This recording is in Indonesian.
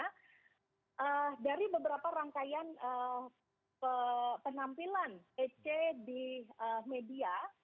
jadi ada beberapa rangkaian penampilan ec di media